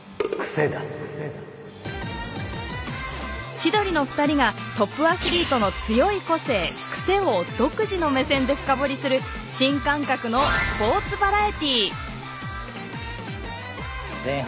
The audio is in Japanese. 千鳥のお二人がトップアスリートの強い個性クセを独自の目線で深掘りする新感覚のスポーツバラエティ。